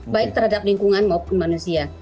baik terhadap lingkungan maupun manusia